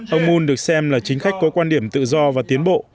ông moon được xem là chính khách có quan điểm tự do và tiến bộ